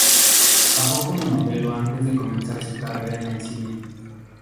Trabajó como modelo antes de comenzar su carrera en el cine.